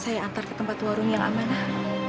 saya antar ke tempat warung yang amanah